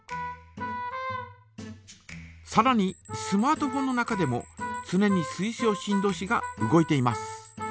さらにスマートフォンの中でもつねに水晶振動子が動いています。